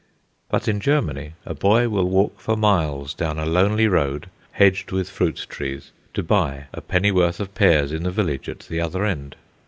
But in Germany a boy will walk for miles down a lonely road, hedged with fruit trees, to buy a pennyworth of pears in the village at the other end.